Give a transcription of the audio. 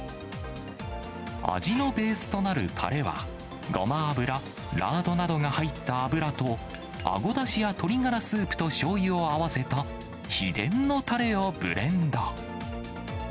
味のベースとなるたれは、ゴマ油、ラードなどが入った油と、あごだしや鶏ガラスープとしょうゆを合わせた、秘伝のたれをブレンド。